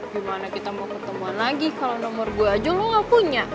gimana kita mau ketemuan lagi kalo nomor gue aja lo gak punya